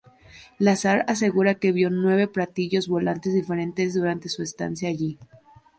Lazar asegura que vio nueve platillos volantes diferentes durante su estancia allí.